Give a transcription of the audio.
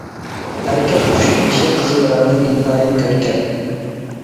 ئەركەك قۇش بېشى قىزىل رەڭلىك ئىنتايىن كۆركەم.